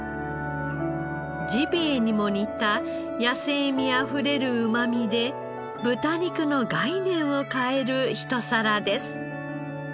ジビエにも似た野性味あふれるうまみで豚肉の概念を変えるひと皿です。